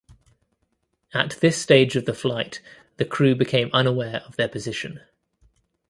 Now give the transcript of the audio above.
At this stage of the flight the crew became unaware of their position.